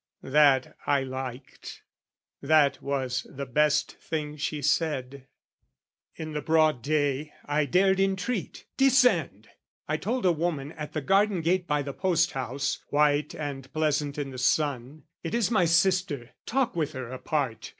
That I liked, that was the best thing she said. In the broad day, I dared entreat, "Descend!" I told a woman, at the garden gate By the post house, white and pleasant in the sun, "It is my sister, talk with her apart!